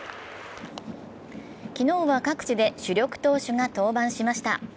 昨日は各地で主力投手が登板しました。